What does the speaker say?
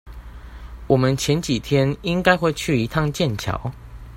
我們前幾天應該會去一趟劍橋